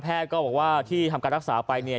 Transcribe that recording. แพทย์ก็บอกว่าที่ทำการรักษาไป